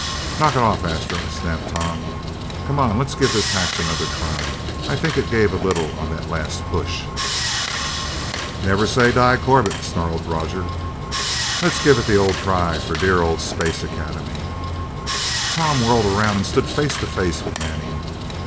"Knock it off, Astro," snapped Tom. "Come on. Let's give this hatch another try. I think it gave a little on that last push." "Never say die Corbett!" snarled Roger. "Let's give it the old try for dear old Space Academy!" Tom whirled around and stood face to face with Manning.